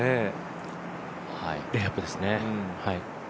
レイアップですね。